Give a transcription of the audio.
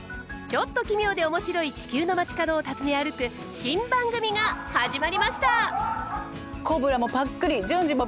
ちょっと奇妙で面白い地球の街角を訪ね歩く新番組が始まりました！